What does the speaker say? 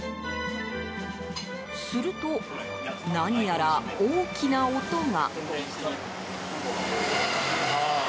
すると、何やら大きな音が。